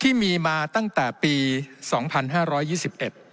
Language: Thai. ที่มีมาตั้งแต่ปี๒พัน๕๒๑